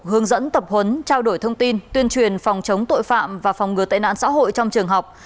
hướng dẫn tập huấn trao đổi thông tin tuyên truyền phòng chống tội phạm và phòng ngừa tệ nạn xã hội trong trường học